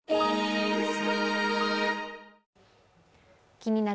「気になる！